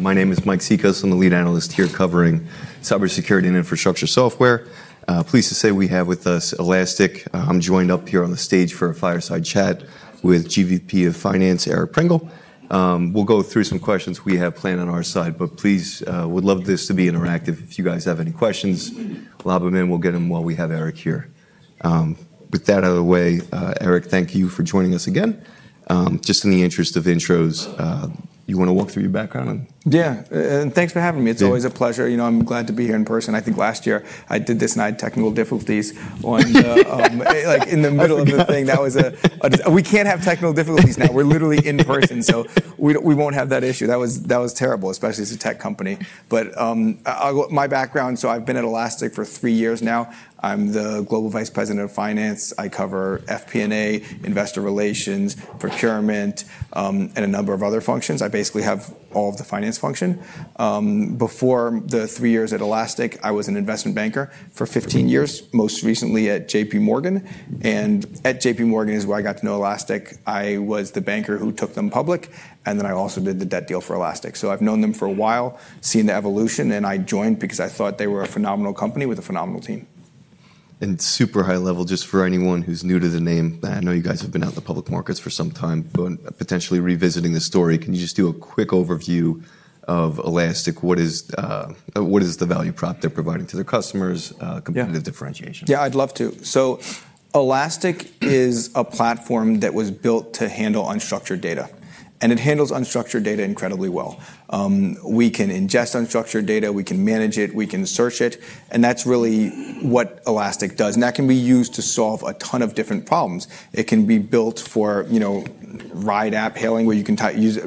My name is Mike Cikos. I'm the Lead Analyst here covering cybersecurity and infrastructure software. Pleased to say we have with us Elastic. I'm joined up here on the stage for a fireside chat with GVP of Finance, Eric Prengel. We'll go through some questions we have planned on our side, but please, we'd love this to be interactive. If you guys have any questions, lob them in. We'll get them while we have Eric here. With that out of the way, Eric, thank you for joining us again. Just in the interest of intros, you want to walk through your background? Yeah, and thanks for having me. It's always a pleasure. I'm glad to be here in person. I think last year I did this and I had technical difficulties in the middle of the thing. We can't have technical difficulties now. We're literally in person, so we won't have that issue. That was terrible, especially as a tech company. But my background, so I've been at Elastic for three years now. I'm the Global Vice President of Finance. I cover FP&A, investor relations, procurement, and a number of other functions. I basically have all of the finance function. Before the three years at Elastic, I was an investment banker for 15 years, most recently at JPMorgan. And at JPMorgan is where I got to know Elastic. I was the banker who took them public, and then I also did the debt deal for Elastic. So I've known them for a while, seen the evolution, and I joined because I thought they were a phenomenal company with a phenomenal team. Super high level, just for anyone who's new to the name, I know you guys have been out in the public markets for some time, but potentially revisiting the story, can you just do a quick overview of Elastic? What is the value prop they're providing to their customers, competitive differentiation? Yeah, I'd love to. So Elastic is a platform that was built to handle unstructured data, and it handles unstructured data incredibly well. We can ingest unstructured data, we can manage it, we can search it, and that's really what Elastic does. And that can be used to solve a ton of different problems. It can be built for ride-hailing, where you can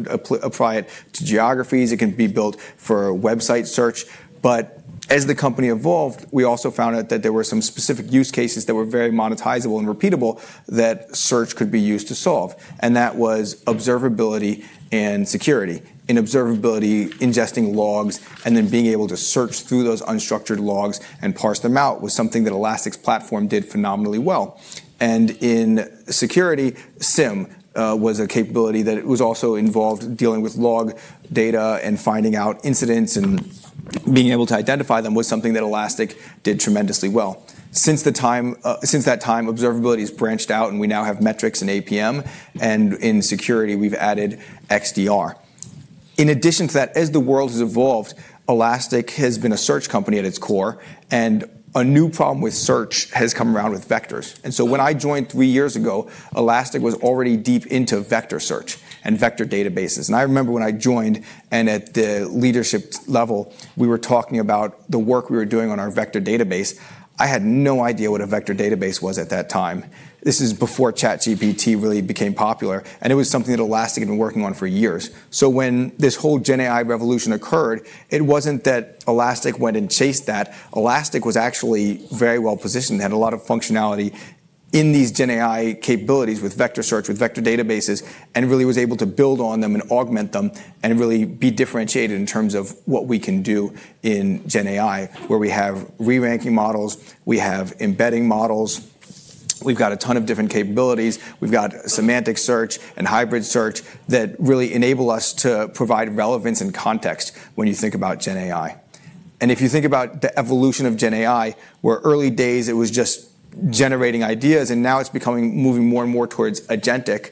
apply it to geographies. It can be built for website search. But as the company evolved, we also found out that there were some specific use cases that were very monetizable and repeatable that search could be used to solve. And that was Observability and Security. In Observability, ingesting logs and then being able to search through those unstructured logs and parse them out was something that Elastic's platform did phenomenally well. And in Security, SIEM was a capability that was also involved dealing with log data and finding out incidents and being able to identify them was something that Elastic did tremendously well. Since that time, Observability has branched out, and we now have metrics in APM, and in Security, we've added XDR. In addition to that, as the world has evolved, Elastic has been a Search company at its core, and a new problem with search has come around with vectors. And so when I joined three years ago, Elastic was already deep into vector search and vector databases. And I remember when I joined and at the leadership level, we were talking about the work we were doing on our vector database. I had no idea what a vector database was at that time. This is before ChatGPT really became popular, and it was something that Elastic had been working on for years. So when this whole GenAI revolution occurred, it wasn't that Elastic went and chased that. Elastic was actually very well positioned. It had a lot of functionality in these GenAI capabilities with vector search, with vector databases, and really was able to build on them and augment them and really be differentiated in terms of what we can do in GenAI, where we have re-ranking models, we have embedding models, we've got a ton of different capabilities, we've got semantic search and hybrid search that really enable us to provide relevance and context when you think about GenAI. And if you think about the evolution of GenAI, where early days it was just generating ideas, and now it's becoming moving more and more towards agentic,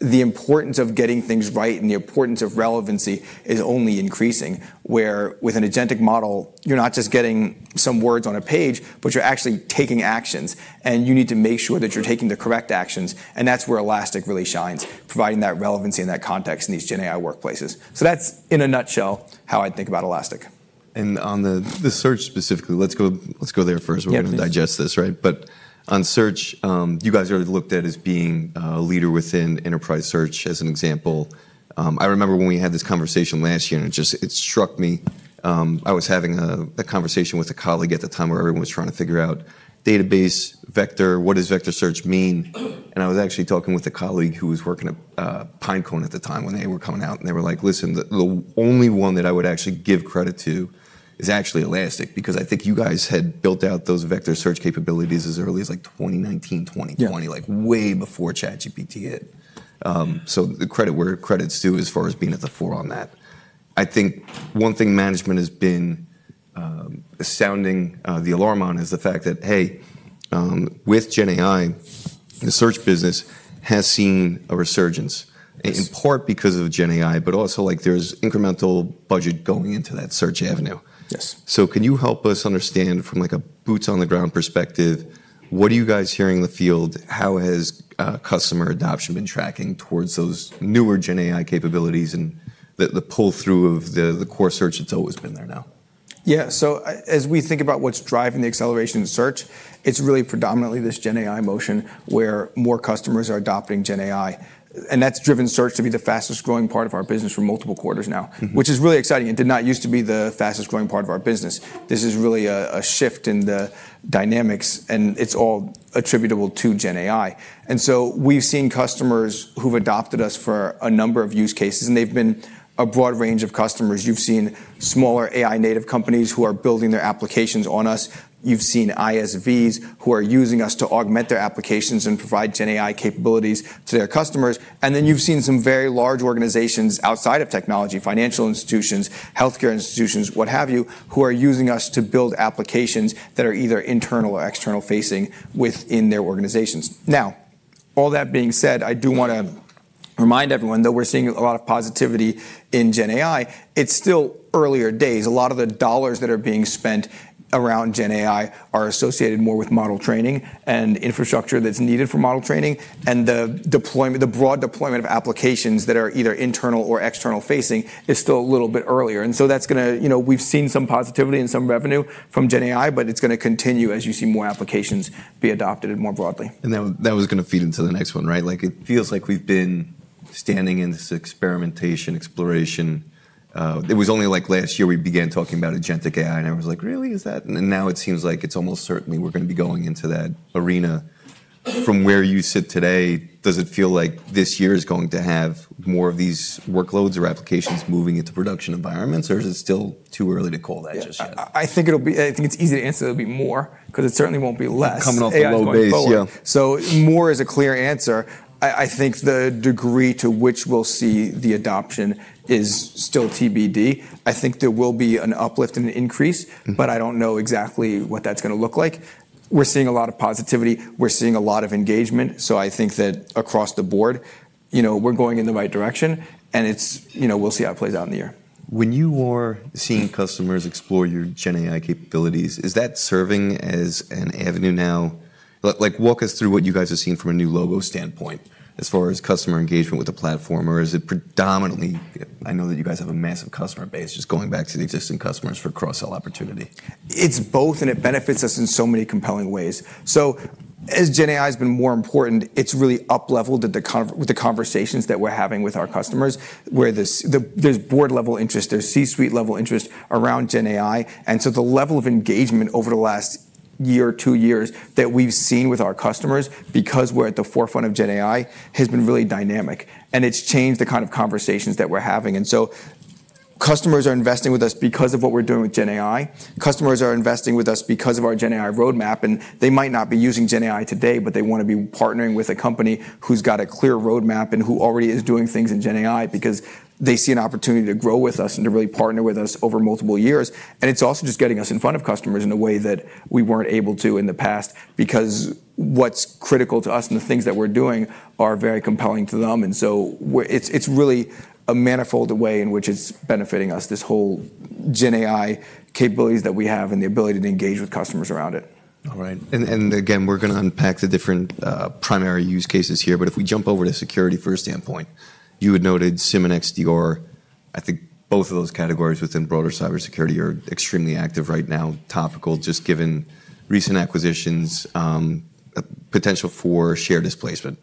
the importance of getting things right and the importance of relevancy is only increasing, where with an agentic model, you're not just getting some words on a page, but you're actually taking actions, and you need to make sure that you're taking the correct actions. And that's where Elastic really shines, providing that relevancy and that context in these GenAI workplaces. So that's in a nutshell how I think about Elastic. On the Search specifically, let's go there first. We're going to digest this, right? But on Search, you guys are looked at as being a leader within enterprise search as an example. I remember when we had this conversation last year, and it struck me. I was having a conversation with a colleague at the time where everyone was trying to figure out database, vector, what does vector search mean? And I was actually talking with a colleague who was working at Pinecone at the time when they were coming out, and they were like, "Listen, the only one that I would actually give credit to is actually Elastic, because I think you guys had built out those vector search capabilities as early as like 2019, 2020, like way before ChatGPT hit." So the credit where credit's due as far as being at the fore on that. I think one thing management has been sounding the alarm on is the fact that, hey, with GenAI, the Search business has seen a resurgence, in part because of GenAI, but also there's incremental budget going into that Search avenue. So can you help us understand from a boots-on-the-ground perspective, what are you guys hearing in the field? How has customer adoption been tracking towards those newer GenAI capabilities and the pull-through of the core Search? It's always been there now. Yeah, so as we think about what's driving the acceleration in Search, it's really predominantly this GenAI motion where more customers are adopting GenAI, and that's driven Search to be the fastest growing part of our business for multiple quarters now, which is really exciting. It did not used to be the fastest growing part of our business. This is really a shift in the dynamics, and it's all attributable to GenAI, and so we've seen customers who've adopted us for a number of use cases, and they've been a broad range of customers. You've seen smaller AI-native companies who are building their applications on us. You've seen ISVs who are using us to augment their applications and provide GenAI capabilities to their customers. And then you've seen some very large organizations outside of technology, financial institutions, healthcare institutions, what have you, who are using us to build applications that are either internal or external-facing within their organizations. Now, all that being said, I do want to remind everyone that we're seeing a lot of positivity in GenAI. It's still earlier days. A lot of the dollars that are being spent around GenAI are associated more with model training and infrastructure that's needed for model training, and the broad deployment of applications that are either internal or external-facing is still a little bit earlier. And so that's going to. We've seen some positivity and some revenue from GenAI, but it's going to continue as you see more applications be adopted more broadly. And that was going to feed into the next one, right? It feels like we've been standing in this experimentation, exploration. It was only like last year we began talking about agentic AI, and everyone was like, "Really? Is that?" And now it seems like it's almost certainly we're going to be going into that arena. From where you sit today, does it feel like this year is going to have more of these workloads or applications moving into production environments, or is it still too early to call that just yet? I think it's easy to answer that it'll be more, because it certainly won't be less. Coming off the low base. So more is a clear answer. I think the degree to which we'll see the adoption is still TBD. I think there will be an uplift and an increase, but I don't know exactly what that's going to look like. We're seeing a lot of positivity. We're seeing a lot of engagement. So I think that across the board, we're going in the right direction, and we'll see how it plays out in the year. When you are seeing customers explore your GenAI capabilities, is that serving as an avenue now? Walk us through what you guys are seeing from a new logo standpoint as far as customer engagement with the platform, or is it predominantly, I know that you guys have a massive customer base, just going back to the existing customers for cross-sell opportunity? It's both, and it benefits us in so many compelling ways. So as GenAI has been more important, it's really up-leveled with the conversations that we're having with our customers, where there's board-level interest, there's C-suite-level interest around GenAI. And so the level of engagement over the last year or two years that we've seen with our customers because we're at the forefront of GenAI has been really dynamic, and it's changed the kind of conversations that we're having. And so customers are investing with us because of what we're doing with GenAI. Customers are investing with us because of our GenAI roadmap, and they might not be using GenAI today, but they want to be partnering with a company who's got a clear roadmap and who already is doing things in GenAI because they see an opportunity to grow with us and to really partner with us over multiple years. And it's also just getting us in front of customers in a way that we weren't able to in the past because what's critical to us and the things that we're doing are very compelling to them. And so it's really a manifold way in which it's benefiting us, this whole GenAI capabilities that we have and the ability to engage with customers around it. All right. And again, we're going to unpack the different primary use cases here, but if we jump over to Security for a standpoint, you had noted SIEM and XDR. I think both of those categories within broader cybersecurity are extremely active right now, topical just given recent acquisitions, potential for shared displacement.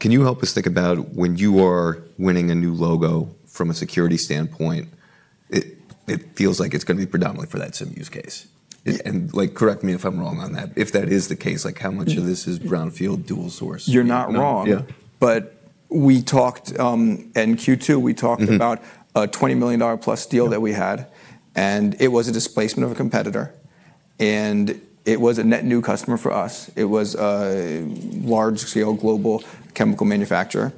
Can you help us think about when you are winning a new logo from a Security standpoint, it feels like it's going to be predominantly for that SIEM use case? And correct me if I'm wrong on that. If that is the case, how much of this is brownfield dual source? You're not wrong, but we talked in Q2, we talked about a $20 million plus deal that we had, and it was a displacement of a competitor, and it was a net new customer for us. It was a large-scale global chemical manufacturer,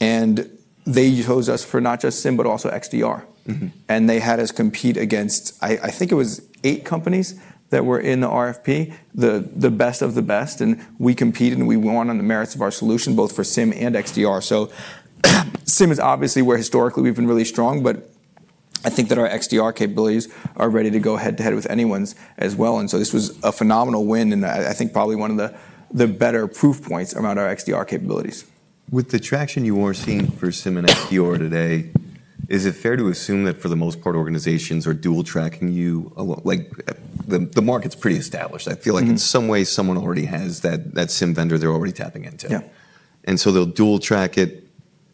and they chose us for not just SIEM, but also XDR, and they had us compete against, I think it was eight companies that were in the RFP, the best of the best, and we competed and we won on the merits of our solution, both for SIEM and XDR, so SIEM is obviously where historically we've been really strong, but I think that our XDR capabilities are ready to go head-to-head with anyone's as well, and so this was a phenomenal win, and I think probably one of the better proof points around our XDR capabilities. With the traction you are seeing for SIEM and XDR today, is it fair to assume that for the most part, organizations are dual tracking you? The market's pretty established. I feel like in some ways, someone already has that SIEM vendor they're already tapping into. And so they'll dual track it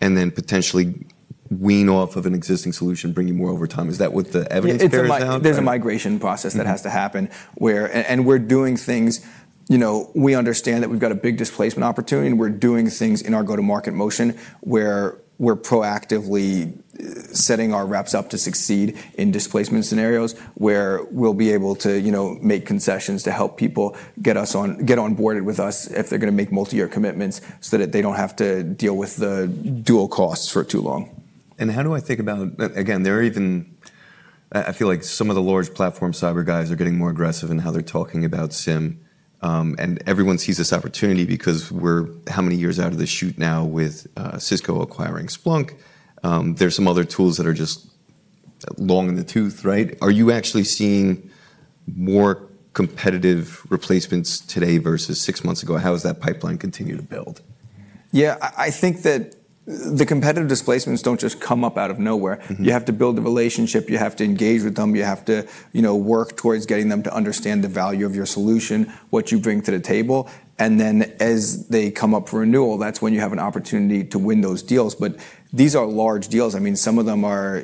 and then potentially wean off of an existing solution, bring you more over time. Is that what the evidence? There's a migration process that has to happen, and we're doing things. We understand that we've got a big displacement opportunity, and we're doing things in our go-to-market motion where we're proactively setting our reps up to succeed in displacement scenarios where we'll be able to make concessions to help people get onboarded with us if they're going to make multi-year commitments so that they don't have to deal with the dual costs for too long. How do I think about, again, there are even, I feel like some of the large platform cyber guys are getting more aggressive in how they're talking about SIEM, and everyone sees this opportunity because we're how many years out of the chute now with Cisco acquiring Splunk. There's some other tools that are just long in the tooth, right? Are you actually seeing more competitive replacements today versus six months ago? How has that pipeline continued to build? Yeah, I think that the competitive displacements don't just come up out of nowhere. You have to build the relationship. You have to engage with them. You have to work towards getting them to understand the value of your solution, what you bring to the table. And then as they come up for renewal, that's when you have an opportunity to win those deals. But these are large deals. I mean, some of them are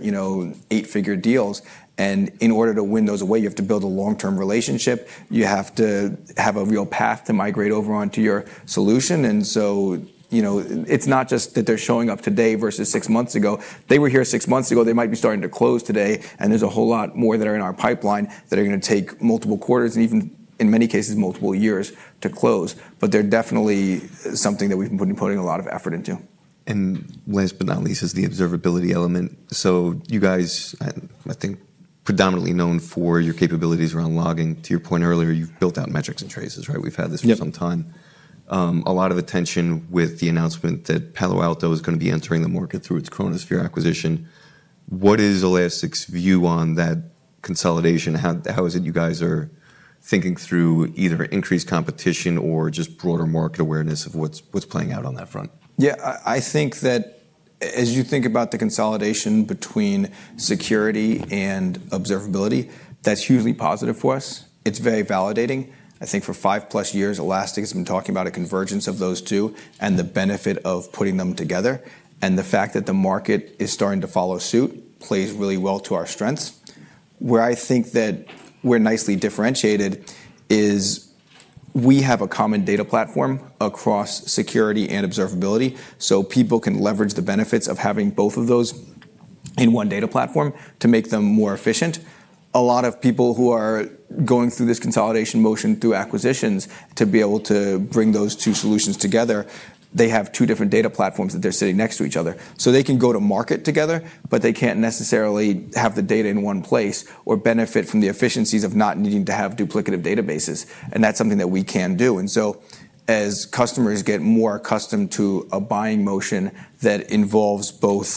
eight-figure deals. And in order to win those away, you have to build a long-term relationship. You have to have a real path to migrate over onto your solution. And so it's not just that they're showing up today versus six months ago. They were here six months ago. They might be starting to close today, and there's a whole lot more that are in our pipeline that are going to take multiple quarters and even in many cases, multiple years to close. But they're definitely something that we've been putting a lot of effort into. Last but not least is the Observability element. So you guys, I think, predominantly known for your capabilities around logging. To your point earlier, you've built out metrics and traces, right? We've had this for some time. A lot of attention with the announcement that Palo Alto is going to be entering the market through its Chronosphere acquisition. What is Elastic's view on that consolidation? How is it you guys are thinking through either increased competition or just broader market awareness of what's playing out on that front? Yeah, I think that as you think about the consolidation between Security and Observability, that's hugely positive for us. It's very validating. I think for five plus years, Elastic has been talking about a convergence of those two and the benefit of putting them together. And the fact that the market is starting to follow suit plays really well to our strengths. Where I think that we're nicely differentiated is we have a common data platform across Security and Observability. So people can leverage the benefits of having both of those in one data platform to make them more efficient. A lot of people who are going through this consolidation motion through acquisitions to be able to bring those two solutions together, they have two different data platforms that they're sitting next to each other. So they can go to market together, but they can't necessarily have the data in one place or benefit from the efficiencies of not needing to have duplicative databases. And that's something that we can do. And so as customers get more accustomed to a buying motion that involves both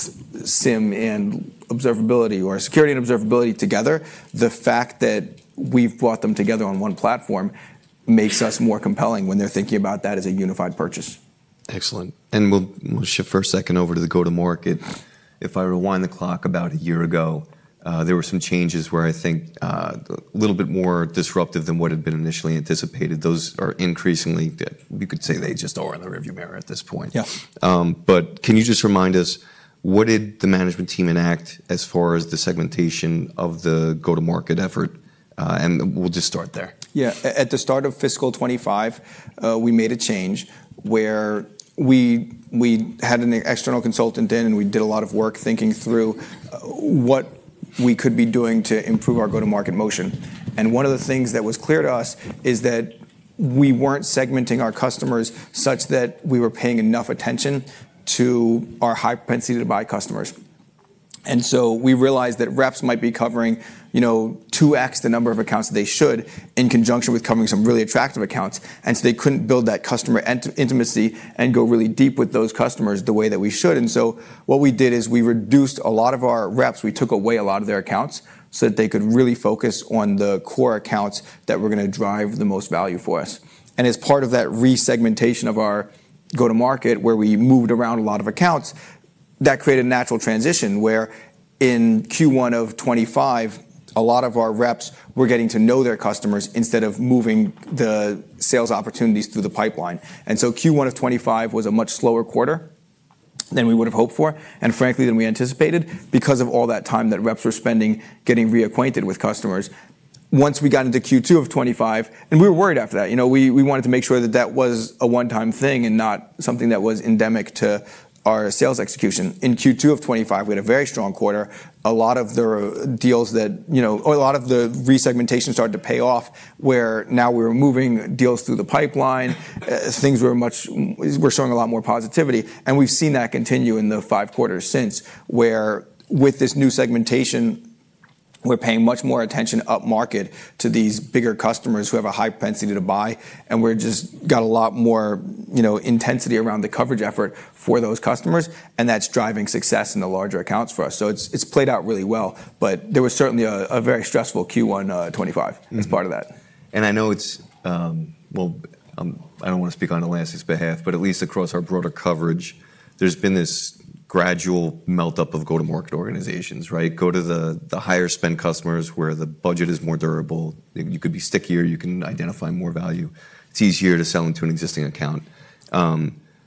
SIEM and Observability or Security and Observability together, the fact that we've brought them together on one platform makes us more compelling when they're thinking about that as a unified purchase. Excellent. And we'll shift for a second over to the go-to-market. If I rewind the clock about a year ago, there were some changes where I think a little bit more disruptive than what had been initially anticipated. Those are increasingly, you could say, they just are in the rearview mirror at this point. But can you just remind us, what did the management team enact as far as the segmentation of the go-to-market effort? And we'll just start there. Yeah, at the start of fiscal 2025, we made a change where we had an external consultant in, and we did a lot of work thinking through what we could be doing to improve our go-to-market motion. And one of the things that was clear to us is that we weren't segmenting our customers such that we were paying enough attention to our high propensity to buy customers. And so we realized that reps might be covering 2x the number of accounts they should in conjunction with covering some really attractive accounts. And so they couldn't build that customer intimacy and go really deep with those customers the way that we should. And so what we did is we reduced a lot of our reps. We took away a lot of their accounts so that they could really focus on the core accounts that were going to drive the most value for us. And as part of that resegmentation of our go-to-market, where we moved around a lot of accounts, that created a natural transition where in Q1 of 2025, a lot of our reps were getting to know their customers instead of moving the sales opportunities through the pipeline. And so Q1 of 2025 was a much slower quarter than we would have hoped for, and frankly, than we anticipated because of all that time that reps were spending getting reacquainted with customers. Once we got into Q2 of 2025, and we were worried after that, we wanted to make sure that that was a one-time thing and not something that was endemic to our sales execution. In Q2 of 2025, we had a very strong quarter. A lot of the deals that, or a lot of the resegmentation started to pay off where now we were moving deals through the pipeline. Things were much, we're showing a lot more positivity, and we've seen that continue in the five quarters since where with this new segmentation, we're paying much more attention up market to these bigger customers who have a high propensity to buy, and we've just got a lot more intensity around the coverage effort for those customers, and that's driving success in the larger accounts for us, so it's played out really well, but there was certainly a very stressful Q1 2025 as part of that. I know it's, well, I don't want to speak on Elastic's behalf, but at least across our broader coverage, there's been this gradual melt-up of go-to-market organizations, right? Go to the higher-spend customers where the budget is more durable. You could be stickier. You can identify more value. It's easier to sell into an existing account.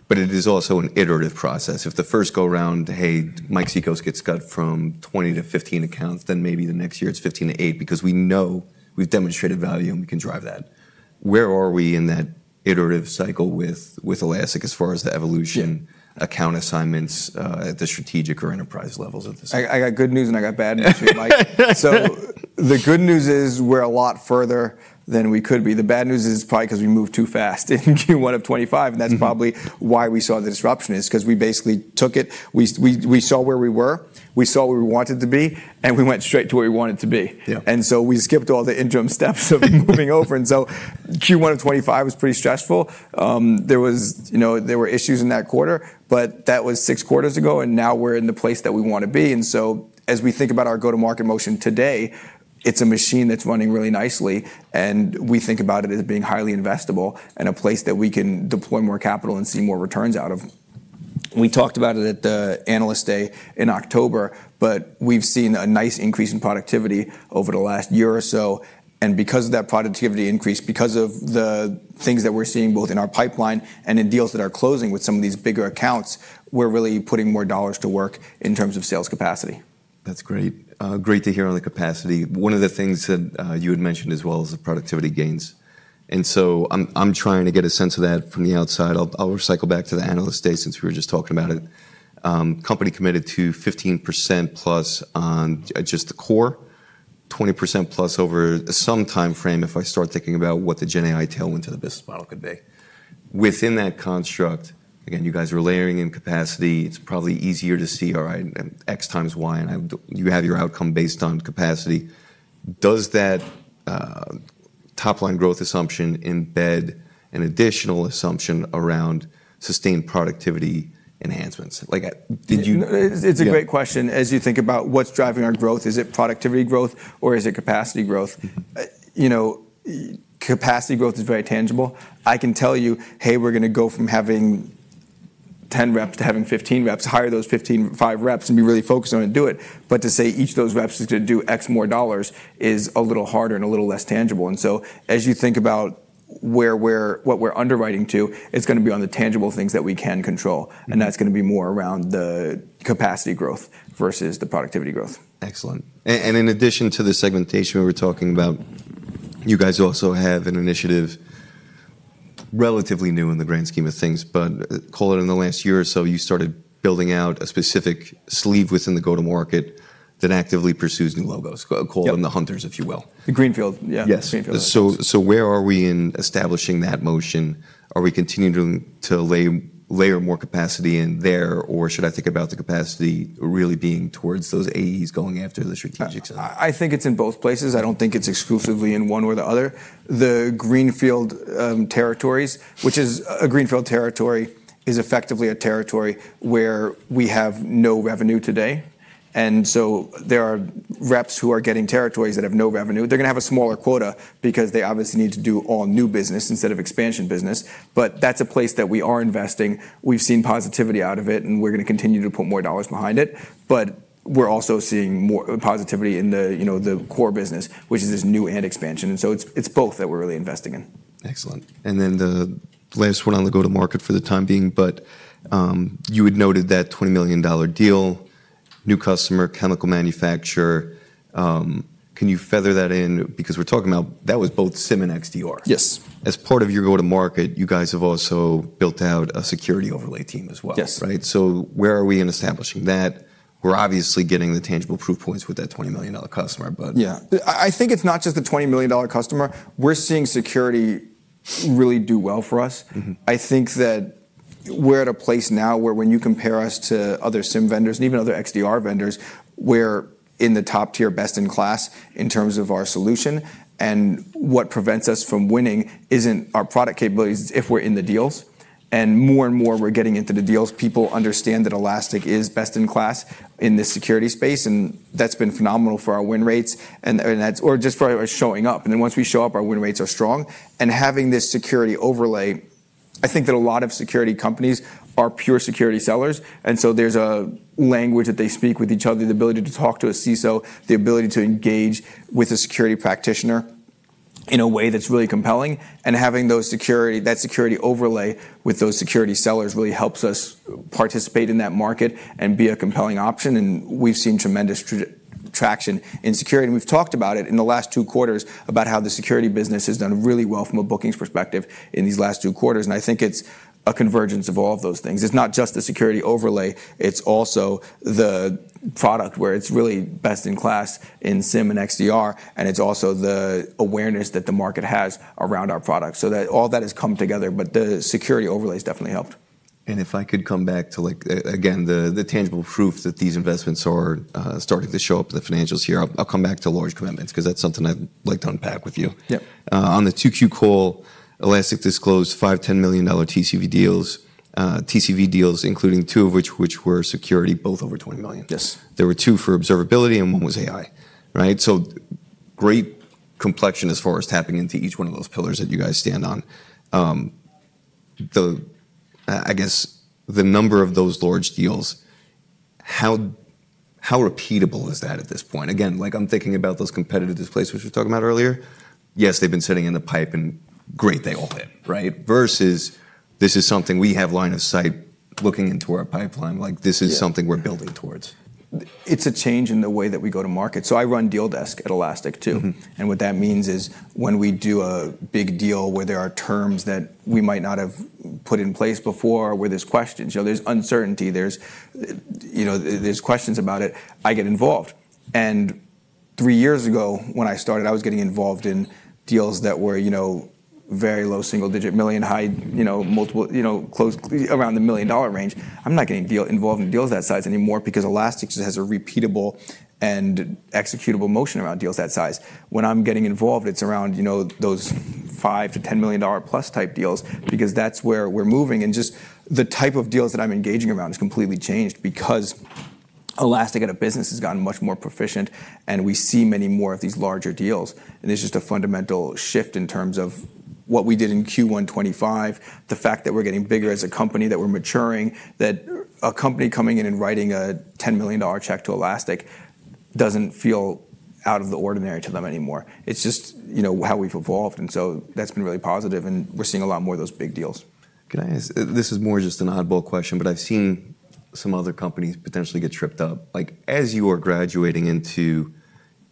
But it is also an iterative process. If the first go round, hey, Mike Cikos gets cut from 20 to 15 accounts, then maybe the next year it's 15 to 8 because we know we've demonstrated value and we can drive that. Where are we in that iterative cycle with Elastic as far as the evolution, account assignments at the strategic or enterprise levels at this point? I got good news and I got bad news for you, Mike. So the good news is we're a lot further than we could be. The bad news is probably because we moved too fast in Q1 of 2025, and that's probably why we saw the disruption, is because we basically took it. We saw where we were. We saw where we wanted to be, and we went straight to where we wanted to be, and so we skipped all the interim steps of moving over. So Q1 of 2025 was pretty stressful. There were issues in that quarter, but that was six quarters ago, and now we're in the place that we want to be. And so as we think about our go-to-market motion today, it's a machine that's running really nicely, and we think about it as being highly investable and a place that we can deploy more capital and see more returns out of. We talked about it at the Analyst Day in October, but we've seen a nice increase in productivity over the last year or so. And because of that productivity increase, because of the things that we're seeing both in our pipeline and in deals that are closing with some of these bigger accounts, we're really putting more dollars to work in terms of sales capacity. That's great. Great to hear on the capacity. One of the things that you had mentioned as well is the productivity gains. And so I'm trying to get a sense of that from the outside. I'll recycle back to the Analyst Day since we were just talking about it. Company committed to +15% on just the core, +20% over some timeframe if I start thinking about what the GenAI tailwind to the business model could be. Within that construct, again, you guys are layering in capacity. It's probably easier to see, all right, X times Y, and you have your outcome based on capacity. Does that top-line growth assumption embed an additional assumption around sustained productivity enhancements? It's a great question. As you think about what's driving our growth, is it productivity growth or is it capacity growth? Capacity growth is very tangible. I can tell you, hey, we're going to go from having 10 reps to having 15 reps, hire those 15, 5 reps and be really focused on it and do it, but to say each of those reps is going to do X more dollars is a little harder and a little less tangible, and so as you think about what we're underwriting to, it's going to be on the tangible things that we can control, and that's going to be more around the capacity growth versus the productivity growth. Excellent, and in addition to the segmentation we were talking about, you guys also have an initiative relatively new in the grand scheme of things, but call it in the last year or so you started building out a specific sleeve within the go-to-market that actively pursues new logos, called the hunters, if you will. The greenfield, yeah. So where are we in establishing that motion? Are we continuing to layer more capacity in there, or should I think about the capacity really being towards those AEs going after the strategic sales? I think it's in both places. I don't think it's exclusively in one or the other. The greenfield territories, which is a greenfield territory, is effectively a territory where we have no revenue today, and so there are reps who are getting territories that have no revenue. They're going to have a smaller quota because they obviously need to do all new business instead of expansion business, but that's a place that we are investing. We've seen positivity out of it, and we're going to continue to put more dollars behind it, but we're also seeing more positivity in the core business, which is this new and expansion, and so it's both that we're really investing in. Excellent. And then the last one on the go-to-market for the time being, but you had noted that $20 million deal, new customer, chemical manufacturer. Can you feather that in? Because we're talking about that was both SIEM and XDR. Yes. As part of your go-to-market, you guys have also built out a Security overlay team as well, right? So where are we in establishing that? We're obviously getting the tangible proof points with that $20 million customer, but. Yeah, I think it's not just the $20 million customer. We're seeing Security really do well for us. I think that we're at a place now where when you compare us to other SIEM vendors and even other XDR vendors, we're in the top tier, best in class in terms of our solution. What prevents us from winning isn't our product capabilities if we're in the deals. More and more we're getting into the deals. People understand that Elastic is best in class in this Security space, and that's been phenomenal for our win rates, or just for showing up. Once we show up, our win rates are strong. Having this Security overlay, I think that a lot of security companies are pure security sellers. And so there's a language that they speak with each other, the ability to talk to a CISO, the ability to engage with a security practitioner in a way that's really compelling. And having that security overlay with those security sellers really helps us participate in that market and be a compelling option. And we've seen tremendous traction in security. And we've talked about it in the last two quarters about how the Security business has done really well from a bookings perspective in these last two quarters. And I think it's a convergence of all of those things. It's not just the security overlay. It's also the product where it's really best in class in SIEM and XDR, and it's also the awareness that the market has around our product. So all that has come together, but the Security overlay has definitely helped. If I could come back to, again, the tangible proof that these investments are starting to show up in the financials here, I'll come back to large commitments because that's something I'd like to unpack with you. On the 2Q call, Elastic disclosed $5 million-$10 million TCV deals, including two of which were Security, both over $20 million. There were two for Observability and one was AI, right? Great complexion as far as tapping into each one of those pillars that you guys stand on. I guess the number of those large deals, how repeatable is that at this point? Again, like I'm thinking about those competitive displays which we were talking about earlier. Yes, they've been sitting in the pipe and great, they all hit, right? Versus this is something we have line of sight looking into our pipeline. Like this is something we're building towards. It's a change in the way that we go to market. So I run deal desk at Elastic too. And what that means is when we do a big deal where there are terms that we might not have put in place before or where there's questions, there's uncertainty, there's questions about it, I get involved. And three years ago when I started, I was getting involved in deals that were very low single digit million, high, multiple close around the million dollar range. I'm not getting involved in deals that size anymore because Elastic has a repeatable and executable motion around deals that size. When I'm getting involved, it's around those $5 million-$10 million plus type deals because that's where we're moving. Just the type of deals that I'm engaging around has completely changed because Elastic as a business has gotten much more proficient and we see many more of these larger deals. It's just a fundamental shift in terms of what we did in Q1 2025, the fact that we're getting bigger as a company, that we're maturing, that a company coming in and writing a $10 million check to Elastic doesn't feel out of the ordinary to them anymore. It's just how we've evolved. So that's been really positive and we're seeing a lot more of those big deals. This is more just an oddball question, but I've seen some other companies potentially get tripped up. As you are graduating into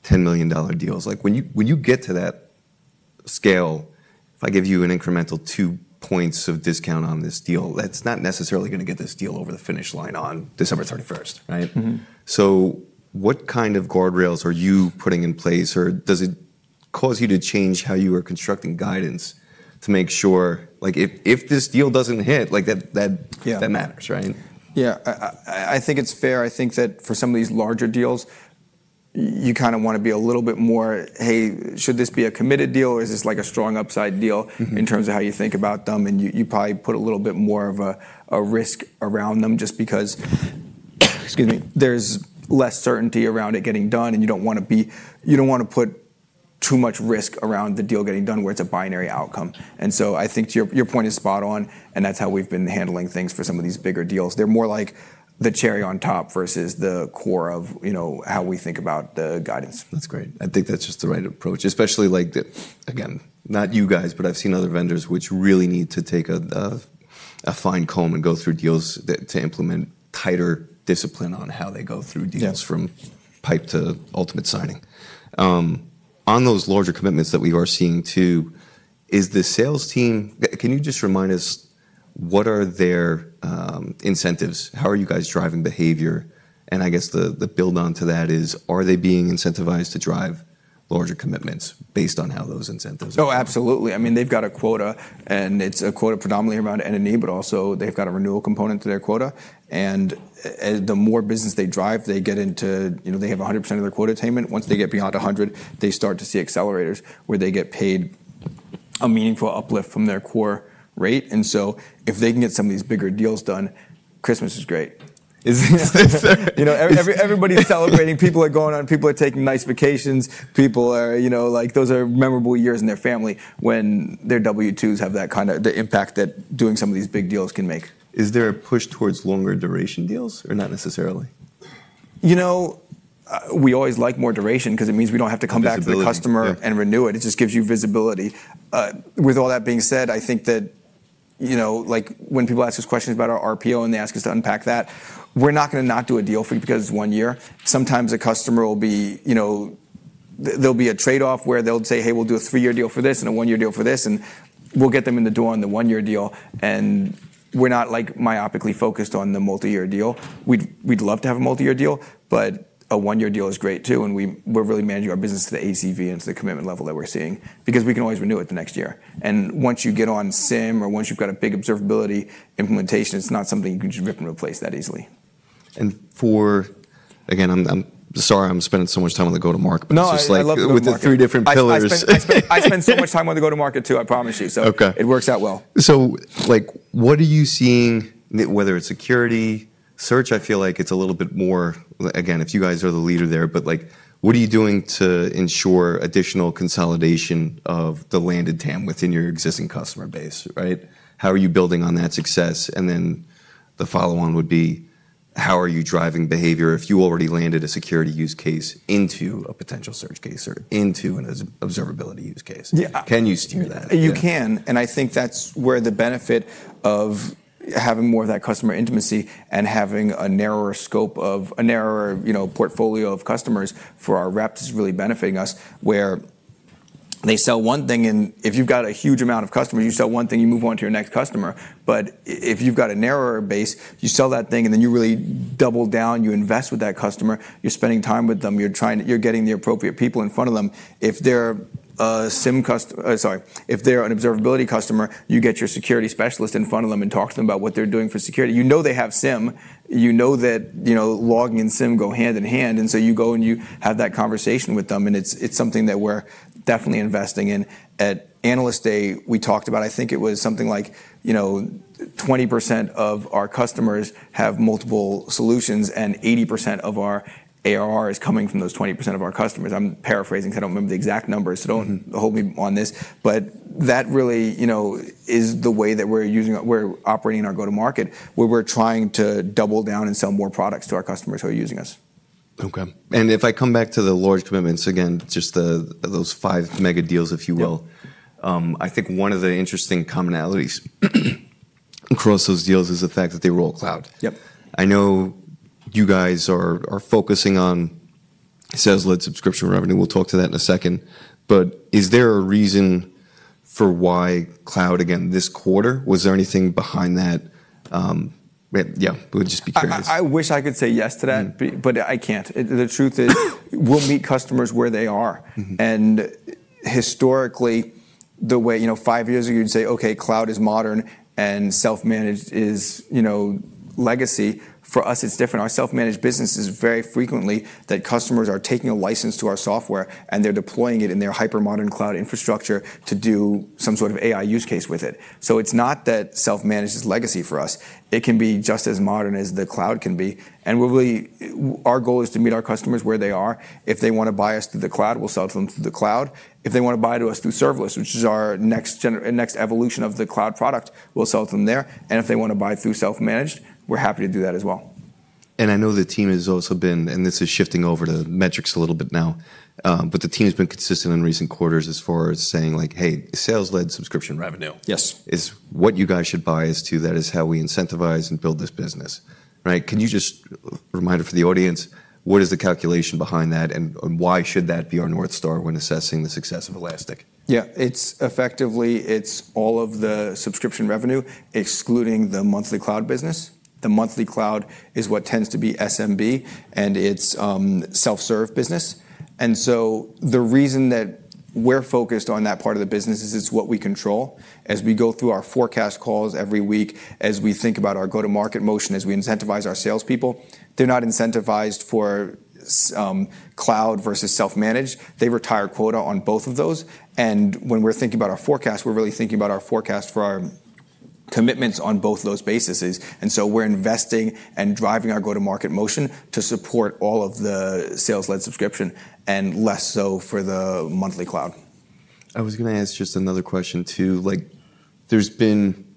$10 million deals, when you get to that scale, if I give you an incremental two points of discount on this deal, that's not necessarily going to get this deal over the finish line on December 31st, right? So what kind of guardrails are you putting in place or does it cause you to change how you are constructing guidance to make sure if this deal doesn't hit, that matters, right? Yeah, I think it's fair. I think that for some of these larger deals, you kind of want to be a little bit more, hey, should this be a committed deal or is this like a strong upside deal in terms of how you think about them? And you probably put a little bit more of a risk around them just because, excuse me, there's less certainty around it getting done and you don't want to put too much risk around the deal getting done where it's a binary outcome. And so I think your point is spot on and that's how we've been handling things for some of these bigger deals. They're more like the cherry on top versus the core of how we think about the guidance. That's great. I think that's just the right approach, especially like, again, not you guys, but I've seen other vendors which really need to take a fine comb and go through deals to implement tighter discipline on how they go through deals from pipe to ultimate signing. On those larger commitments that we are seeing too, is the sales team, can you just remind us what are their incentives? How are you guys driving behavior? And I guess the build onto that is, are they being incentivized to drive larger commitments based on how those incentives are? Oh, absolutely. I mean, they've got a quota and it's a quota predominantly around N&E, but also they've got a renewal component to their quota. And the more business they drive, they get into, they have 100% of their quota attainment. Once they get beyond 100, they start to see accelerators where they get paid a meaningful uplift from their core rate. And so if they can get some of these bigger deals done, Christmas is great. Everybody's celebrating. People are going on. People are taking nice vacations. People are like, those are memorable years in their family when their W-2s have that kind of impact that doing some of these big deals can make. Is there a push towards longer duration deals or not necessarily? You know, we always like more duration because it means we don't have to come back to the customer and renew it. It just gives you visibility. With all that being said, I think that when people ask us questions about our RPO and they ask us to unpack that, we're not going to not do a deal for you because it's one year. Sometimes a customer, there'll be a trade-off where they'll say, hey, we'll do a three-year deal for this and a one-year deal for this. We'll get them in the door on the one-year deal, and we're not like myopically focused on the multi-year deal. We'd love to have a multi-year deal, but a one-year deal is great too. We're really managing our business to the ACV and to the commitment level that we're seeing because we can always renew it the next year. Once you get on SIEM or once you've got a big Observability implementation, it's not something you can just rip and replace that easily. Again, I'm sorry. I'm spending so much time on the go-to-market, but just like with the three different pillars. I spend so much time on the go-to-market too, I promise you, so it works out well. So what are you seeing, whether it's Security, Search? I feel like it's a little bit more, again, if you guys are the leader there, but what are you doing to ensure additional consolidation of the landed TAM within your existing customer base, right? How are you building on that success? And then the follow-on would be, how are you driving behavior if you already landed a Security use case into a potential Search case or into an Observability use case? Can you steer that? You can, and I think that's where the benefit of having more of that customer intimacy and having a narrower scope of a narrower portfolio of customers for our reps is really benefiting us where they sell one thing, and if you've got a huge amount of customers, you sell one thing, you move on to your next customer. But if you've got a narrower base, you sell that thing and then you really double down, you invest with that customer, you're spending time with them, you're getting the appropriate people in front of them. If they're a SIEM customer, sorry, if they're an Observability customer, you get your Security specialist in front of them and talk to them about what they're doing for Security. You know they have SIEM. You know that logging and SIEM go hand in hand. And so you go and you have that conversation with them, and it's something that we're definitely investing in. At Analyst Day, we talked about, I think it was something like 20% of our customers have multiple solutions and 80% of our ARR is coming from those 20% of our customers. I'm paraphrasing because I don't remember the exact numbers, so don't hold me on this, but that really is the way that we're operating in our go-to-market where we're trying to double down and sell more products to our customers who are using us. Okay. And if I come back to the large commitments, again, just those five mega deals, if you will, I think one of the interesting commonalities across those deals is the fact that they were all cloud. I know you guys are focusing on sales-led subscription revenue. We'll talk to that in a second. But is there a reason for why cloud again this quarter? Was there anything behind that? Yeah, we'll just be curious. I wish I could say yes to that, but I can't. The truth is we'll meet customers where they are, and historically, the way five years ago you'd say, okay, cloud is modern and self-managed is legacy. For us, it's different. Our self-managed business is very frequently that customers are taking a license to our software and they're deploying it in their hyper-modern cloud infrastructure to do some sort of AI use case with it, so it's not that self-managed is legacy for us. It can be just as modern as the cloud can be, and our goal is to meet our customers where they are. If they want to buy from us through the cloud, we'll sell to them through the cloud. If they want to buy from us through Serverless, which is our next evolution of the cloud product, we'll sell to them there. If they want to buy through self-managed, we're happy to do that as well. I know the team has also been, and this is shifting over to metrics a little bit now, but the team has been consistent in recent quarters as far as saying like, hey, sales-led subscription revenue is what you guys should buy as to that is how we incentivize and build this business, right? Can you just remind for the audience, what is the calculation behind that and why should that be our North Star when assessing the success of Elastic? Yeah, it's effectively all of the subscription revenue, excluding the monthly cloud business. The monthly cloud is what tends to be SMB and it's self-serve business. And so the reason that we're focused on that part of the business is it's what we control. As we go through our forecast calls every week, as we think about our go-to-market motion, as we incentivize our salespeople, they're not incentivized for cloud versus self-managed. They retire quota on both of those. And when we're thinking about our forecast, we're really thinking about our forecast for our commitments on both of those bases. And so we're investing and driving our go-to-market motion to support all of the sales-led subscription and less so for the monthly cloud. I was going to ask just another question too. There's been,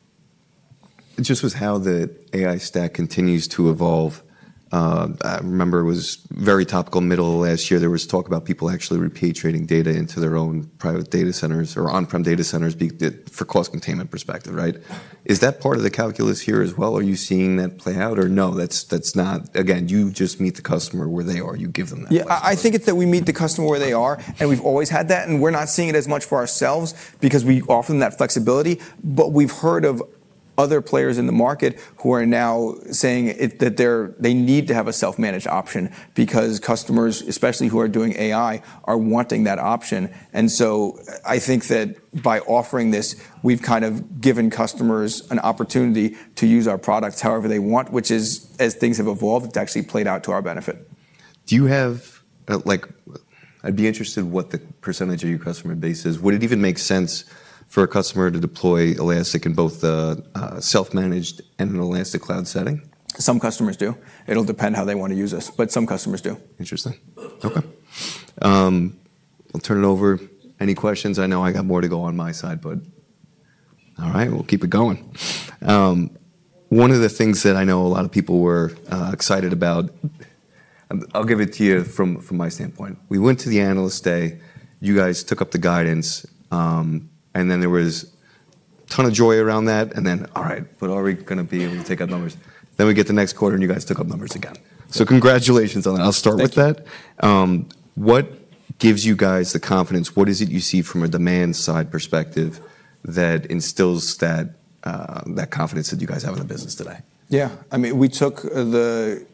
just with how the AI stack continues to evolve, I remember it was very topical middle last year, there was talk about people actually repatriating data into their own private data centers or on-prem data centers for cost containment perspective, right? Is that part of the calculus here as well? Are you seeing that play out or no, that's not, again, you just meet the customer where they are, you give them that? Yeah, I think it's that we meet the customer where they are and we've always had that and we're not seeing it as much for ourselves because we offer them that flexibility. But we've heard of other players in the market who are now saying that they need to have a self-managed option because customers, especially who are doing AI, are wanting that option. And so I think that by offering this, we've kind of given customers an opportunity to use our products however they want, which is as things have evolved, it's actually played out to our benefit. Do you have? I'd be interested in what the percentage of your customer base is. Would it even make sense for a customer to deploy Elastic in both the self-managed and an Elastic Cloud setting? Some customers do. It'll depend how they want to use us, but some customers do. Interesting. Okay. I'll turn it over. Any questions? I know I got more to go on my side, but all right, we'll keep it going. One of the things that I know a lot of people were excited about, I'll give it to you from my standpoint. We went to the Analyst Day, you guys took up the guidance and then there was a ton of joy around that and then, all right, but are we going to be able to take up numbers? Then we get to next quarter and you guys took up numbers again. So congratulations on that. I'll start with that. What gives you guys the confidence? What is it you see from a demand side perspective that instills that confidence that you guys have in the business today? Yeah, I mean, we took the,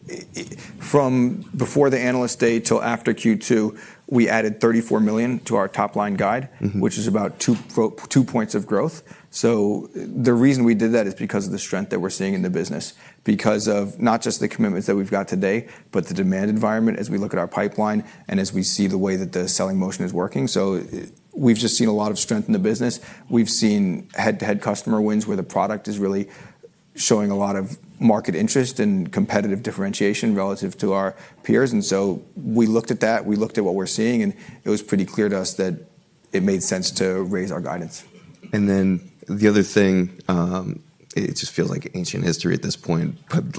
from before the Analyst Day till after Q2, we added $34 million to our top line guide, which is about two points of growth. So the reason we did that is because of the strength that we're seeing in the business, because of not just the commitments that we've got today, but the demand environment as we look at our pipeline and as we see the way that the selling motion is working. So we've just seen a lot of strength in the business. We've seen head-to-head customer wins where the product is really showing a lot of market interest and competitive differentiation relative to our peers. And so we looked at that, we looked at what we're seeing and it was pretty clear to us that it made sense to raise our guidance. And then the other thing, it just feels like ancient history at this point, but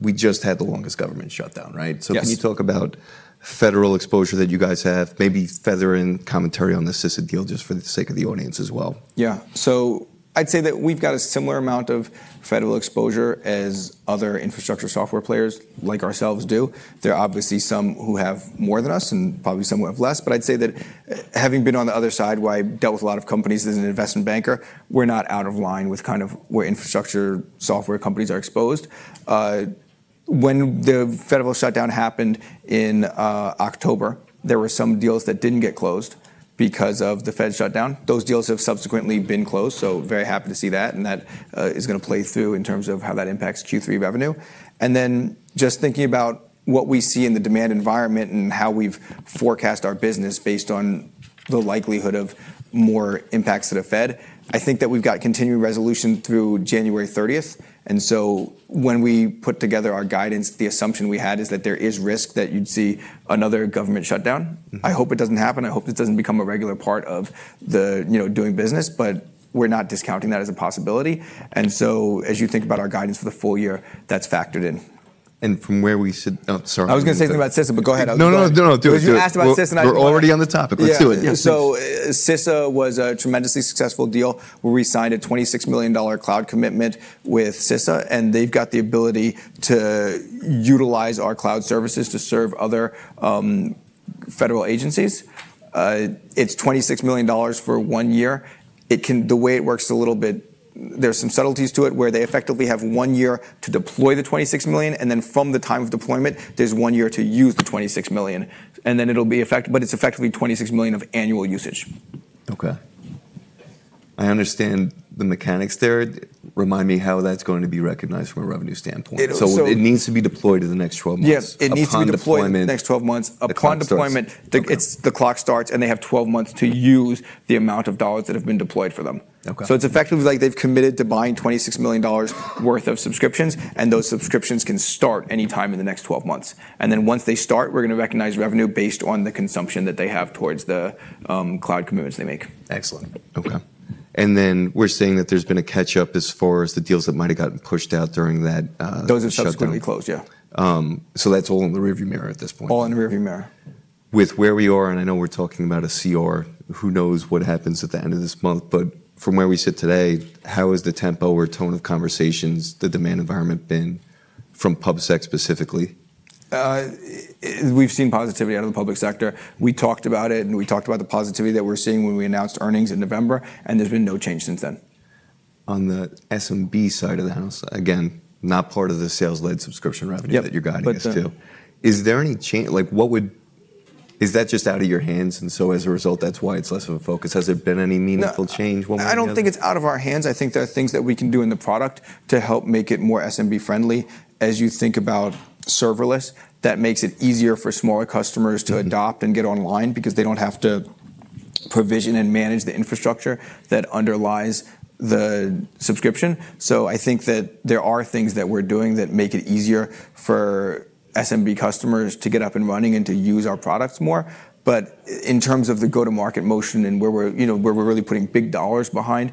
we just had the longest government shutdown, right? So can you talk about federal exposure that you guys have, maybe feather in commentary on the CISA deal just for the sake of the audience as well? Yeah. So I'd say that we've got a similar amount of federal exposure as other infrastructure software players like ourselves do. There are obviously some who have more than us and probably some who have less, but I'd say that having been on the other side, where I dealt with a lot of companies as an investment banker, we're not out of line with kind of where infrastructure software companies are exposed. When the federal shutdown happened in October, there were some deals that didn't get closed because of the federal shutdown. Those deals have subsequently been closed. So very happy to see that and that is going to play through in terms of how that impacts Q3 revenue. And then, just thinking about what we see in the demand environment and how we've forecast our business based on the likelihood of more impacts that have had, I think that we've got continuing resolution through January 30th. And so when we put together our guidance, the assumption we had is that there is risk that you'd see another government shutdown. I hope it doesn't happen. I hope it doesn't become a regular part of the doing business, but we're not discounting that as a possibility. And so as you think about our guidance for the full year, that's factored in. Sorry. I was going to say something about CISA, but go ahead. No, no, no, no. You asked about CISA and I forgot. We're already on the topic. Let's do it. So CISA was a tremendously successful deal where we signed a $26 million cloud commitment with CISA and they've got the ability to utilize our cloud services to serve other federal agencies. It's $26 million for one year. The way it works a little bit, there's some subtleties to it where they effectively have one year to deploy the $26 million and then from the time of deployment, there's one year to use the $26 million, and then it'll be effective, but it's effectively $26 million of annual usage. Okay. I understand the mechanics there. Remind me how that's going to be recognized from a revenue standpoint? So it needs to be deployed in the next 12 months. Yeah, it needs to be deployed in the next 12 months. Upon deployment, the clock starts and they have 12 months to use the amount of dollars that have been deployed for them. So it's effectively like they've committed to buying $26 million worth of subscriptions and those subscriptions can start anytime in the next 12 months. And then once they start, we're going to recognize revenue based on the consumption that they have towards the cloud commitments they make. Excellent. Okay, and then we're seeing that there's been a catch-up as far as the deals that might have gotten pushed out during that shutdown. Those have subsequently closed, yeah. So that's all in the rearview mirror at this point. All in the rearview mirror. With where we are, and I know we're talking about a CR, who knows what happens at the end of this month, but from where we sit today, how has the tempo or tone of conversations, the demand environment been from PubSec specifically? We've seen positivity out of the public sector. We talked about it and we talked about the positivity that we're seeing when we announced earnings in November and there's been no change since then. On the SMB side of the house, again, not part of the sales-led subscription revenue that you're guiding us to. Is there any change, like what would, is that just out of your hands, and so as a result, that's why it's less of a focus. Has there been any meaningful change? I don't think it's out of our hands. I think there are things that we can do in the product to help make it more SMB-friendly. As you think about Serverless, that makes it easier for smaller customers to adopt and get online because they don't have to provision and manage the infrastructure that underlies the subscription. So I think that there are things that we're doing that make it easier for SMB customers to get up and running and to use our products more. But in terms of the go-to-market motion and where we're really putting big dollars behind,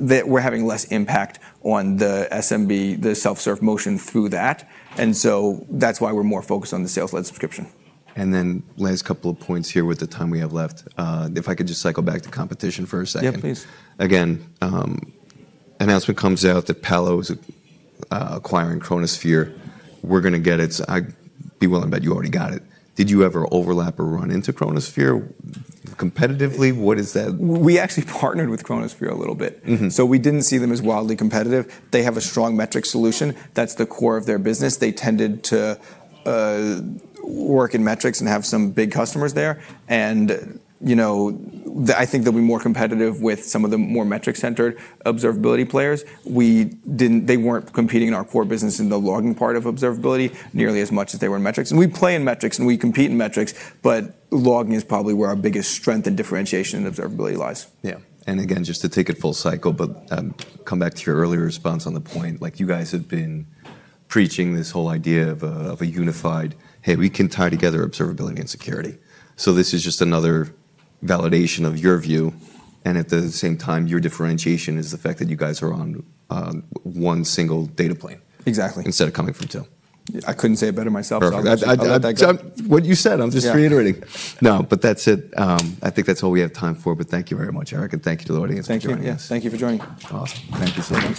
we're having less impact on the SMB, the self-serve motion through that. And so that's why we're more focused on the sales-led subscription. And then last couple of points here with the time we have left. If I could just cycle back to competition for a second. Yeah, please. Again, announcement comes out that Palo Alto is acquiring Chronosphere. We're going to get it. I'd be willing to bet you already got it. Did you ever overlap or run into Chronosphere competitively? What is that? We actually partnered with Chronosphere a little bit. So we didn't see them as wildly competitive. They have a strong metrics solution. That's the core of their business. They tended to work in metrics and have some big customers there. And I think they'll be more competitive with some of the more metric-centered Observability players. They weren't competing in our core business in the logging part of Observability nearly as much as they were in metrics. And we play in metrics and we compete in metrics, but logging is probably where our biggest strength and differentiation in Observability lies. Yeah, and again, just to take it full cycle, but come back to your earlier response on the point, like you guys have been preaching this whole idea of a unified, hey, we can tie together Observability and Security. So this is just another validation of your view and at the same time, your differentiation is the fact that you guys are on one single data plane. Exactly. Instead of coming from two. I couldn't say it better myself, sorry. What you said, I'm just reiterating. No, but that's it. I think that's all we have time for, but thank you very much, Eric, and thank you to the audience. Thank you. Thank you for joining. Awesome. Thank you so much.